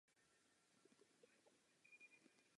Přikrádá se Denise.